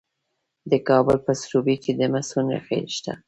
د کابل په سروبي کې د مسو نښې شته.